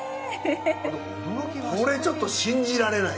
これちょっと信じられない。